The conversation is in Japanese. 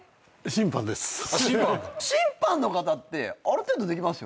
審判の方ってある程度できますよね？